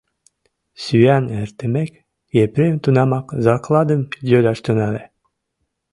Сӱан эртымек, Епрем тунамак закладым йодаш тӱҥале.